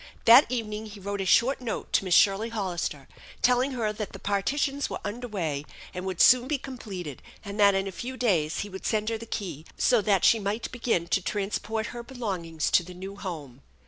That evening he wrote a short note \o Miss Shirley Hollister, telling her that the partitions were under way and would soon be completed, and that in a few days he would send her the key so that she might begin to transport jher belongings to the new home.